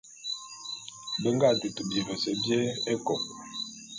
Be nga dutu bivese bié ékôp.